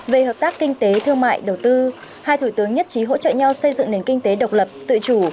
về hợp tác kinh tế thương mại đầu tư hai thủ tướng nhất trí hỗ trợ nhau xây dựng nền kinh tế độc lập tự chủ